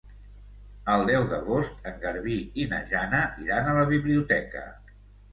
El deu d'agost en Garbí i na Jana iran a la biblioteca.